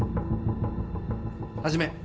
始め。